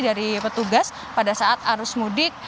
dari petugas pada saat arus mudik